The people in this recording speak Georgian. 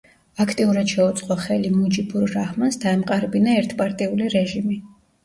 აქტიურად შეუწყო ხელი მუჯიბურ რაჰმანს დაემყარებინა ერთპარტიული რეჟიმი.